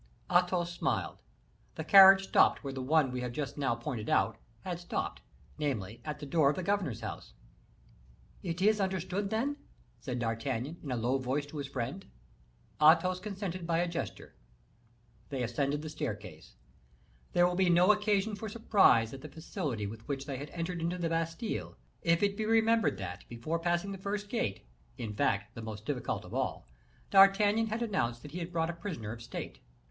Athos smiled. The carriage stopped where the one we have just now pointed out had stopped; namely, at the door of the governor's house. "It is understood, then?" said D'Artagnan, in a low voice to his friend. Athos consented by a gesture. They ascended the staircase. There will be no occasion for surprise at the facility with which they had entered into the Bastile, if it be remembered that, before passing the first gate, in fact, the most difficult of all, D'Artagnan had announced that he had brought a prisoner of state.